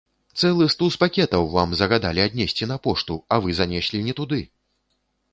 Цэлы стус пакетаў вам загадалі аднесці на пошту, а вы занеслі не туды.